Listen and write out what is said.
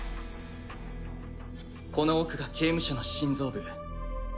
この奥が刑務所の心臓部。